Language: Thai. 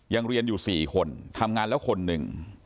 เรียนอยู่๔คนทำงานแล้วคนหนึ่ง